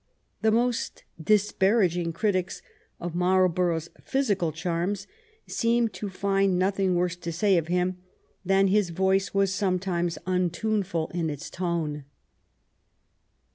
The most disparaging critics of Marlborough^s physical charms seemed to find nothing worse to say of him than that his voice was sometimes imtunef ul in its tone.